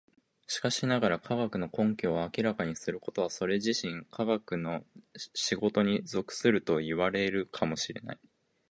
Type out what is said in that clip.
しかしながら、科学の根拠を明らかにすることはそれ自身科学の仕事に属するといわれるかも知れない。